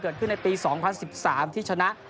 เกิดขึ้นในปี๒๐๑๓ที่ชนะ